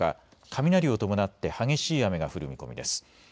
雷を伴って激しい雨が降る見込みです。